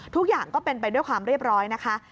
ทุกอย่างก็เป็นไปด้วยความเรียบร้อยนะคะ